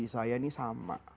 kondisi saya ini sama